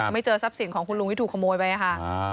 ไม่เจอทรัพย์สินของคุณลุงที่ถูกขโมยไปค่ะ